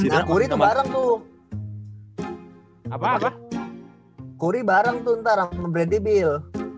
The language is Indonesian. kuri bareng tuh ntar sama bradley bill